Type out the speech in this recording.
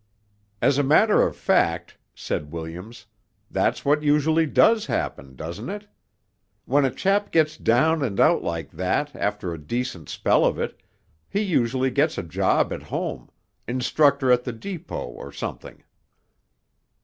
] 'As a matter of fact,' said Williams, 'that's what usually does happen, doesn't it? When a chap gets down and out like that after a decent spell of it, he usually gets a job at home instructor at the Depot, or something.'